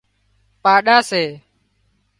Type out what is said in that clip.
پاڏا سي